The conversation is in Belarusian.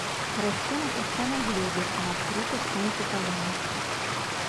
Расце на пясчанай глебе, на адкрытых сонцу палянах.